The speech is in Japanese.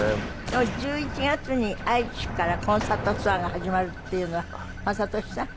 でも１１月に愛知からコンサートツアーが始まるっていうのは雅俊さん？